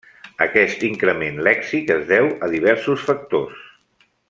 Aquest increment lèxic es deu a diversos factors.